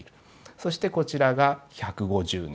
そしてこちらが１５０年。